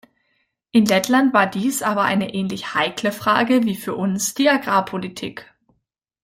In Lettland war dies aber eine ähnlich heikle Frage wie für uns die Agrarpolitik.